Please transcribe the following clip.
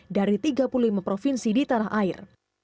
dari tiga puluh lima provinsi di tanah air